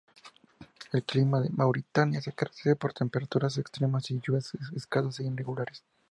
El clima de Mauritania se caracteriza por temperaturas extremas y lluvias escasas e irregulares.